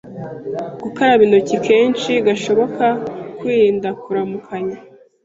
“Gukaraba intoki kenshi gashoboka , kwirinda kuramukanya,